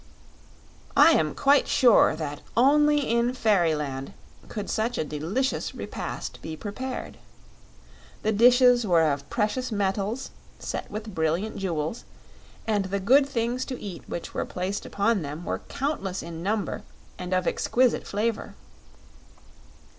I am quite sure that only in Fairyland could such a delicious repast be prepared. The dishes were of precious metals set with brilliant jewels and the good things to eat which were placed upon them were countless in number and of exquisite flavor.